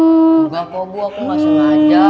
enggak kok bu aku gak sengaja